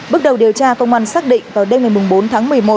bước đầu điều tra công an xác định vào đêm ngày bốn tháng một mươi một